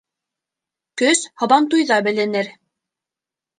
Көс һабантуйҙа беленер